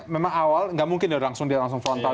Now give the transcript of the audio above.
memang awal nggak mungkin dia langsung frontal